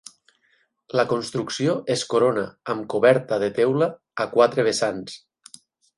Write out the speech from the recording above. La construcció es corona amb coberta de teula a quatre vessants.